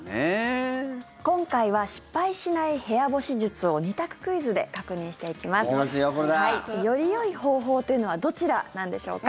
今回は失敗しない部屋干し術を行きますよ、これだ。よりよい方法というのはどちらなんでしょうか。